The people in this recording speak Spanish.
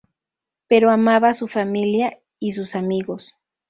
Pero amaba a su familia y sus amigos.